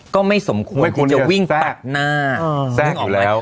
ก็ไม่สมควรจะวิ่งตัดหน้าแซ่งอยู่แล้ว